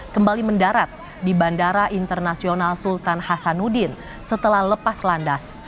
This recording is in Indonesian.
kembali mendarat di bandara internasional sultan hasanuddin setelah lepas landas